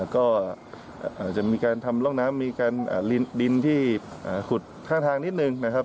ก็อาจจะมีการทำร่องน้ำมีการดินที่ขุดข้างทางนิดนึงนะครับ